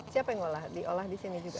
siapa yang diolah di sini juga